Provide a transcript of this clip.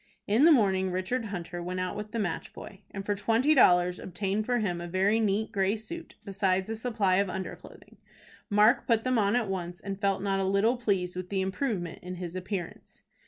In the morning Richard Hunter went out with the match boy, and for twenty dollars obtained for him a very neat gray suit, besides a supply of under clothing. Mark put them on at once, and felt not a little pleased with the improvement in his appearance.